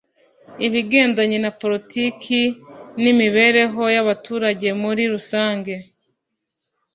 Ibigendanye na poritiki n imibereho y abaturage muri rusange